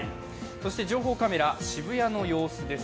情報カメラ、渋谷の様子です。